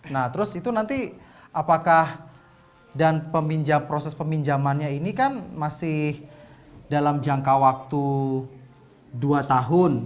nah terus itu nanti apakah dan proses peminjamannya ini kan masih dalam jangka waktu dua tahun